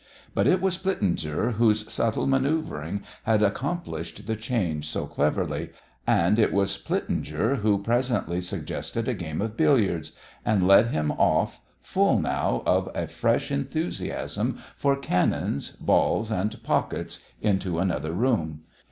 But it was Plitzinger whose subtle manoeuvring had accomplished the change so cleverly, and it was Plitzinger who presently suggested a game of billiards, and led him off, full now of a fresh enthusiasm for cannons, balls, and pockets, into another room.